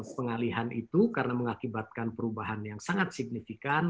pengalihan itu karena mengakibatkan perubahan yang sangat signifikan